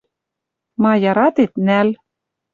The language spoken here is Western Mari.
— Ма, яратет — нӓл.